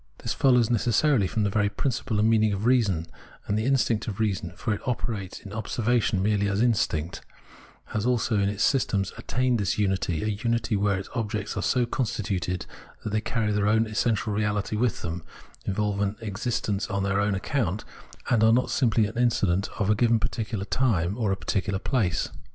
This follows necessarily from the very principle and meaning of reason ; and the instinct of reason — for it operates in observation merely as an instinct — has also in its systems attained this unity, a unity where its objects are so constituted that they carry their own essential reality with them, involve an existence on their own account, and are not simply an incident of a given particular time, or a particular place.